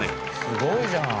すごいじゃん！